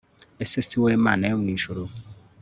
ese si wowe Mana yo mu ijuru